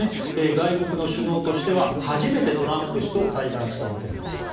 外国の首脳としては初めてトランプ氏と会談したわけなんです。